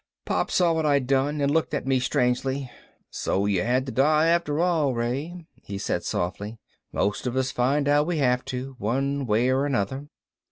Pop saw what I'd done and looked at me strangely. "So you had to die after all, Ray," he said softly. "Most of us find out we have to, one way or another."